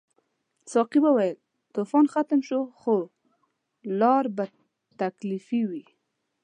ساقي وویل طوفان ختم شو خو لار به تکلیفي وي.